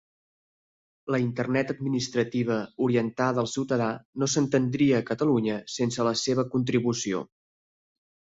La Internet administrativa orientada al ciutadà no s'entendria a Catalunya sense la seva contribució.